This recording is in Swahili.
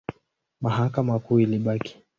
Mahakama Kuu ilibaki.